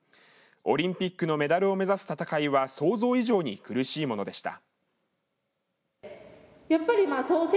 オリンピックのメダルを目指す戦いは想像以上に苦しいものでした。